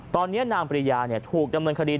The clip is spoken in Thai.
ตอนนี้นางปริยาถูกดำเนินคดี